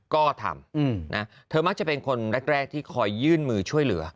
ก็ทำนะเธอมักจะเป็นคนแรกที่คอยยื่นมือช่วยเหลือ